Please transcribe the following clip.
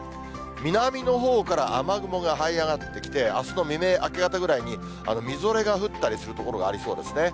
南のほうから雨雲がはい上がってきて、あすの未明、明け方ぐらいにみぞれが降ったりする所がありそうですね。